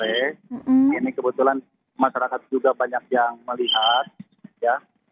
ini kebetulan masyarakat juga banyak yang melihat ya